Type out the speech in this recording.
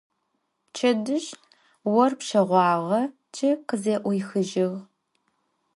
Пчэдыжь ор пщэгъуагъэ, джы къызэӏуихыжьыгъ.